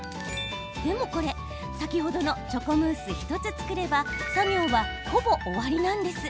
でもこれ、先ほどのチョコムース１つ作れば作業は、ほぼ終わりなんです。